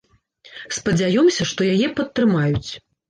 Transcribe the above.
Спадзяёмся, што яе падтрымаюць.